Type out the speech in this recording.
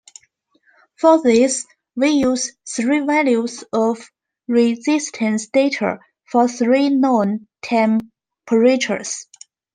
For this, we use three values of resistance data for three known temperatures.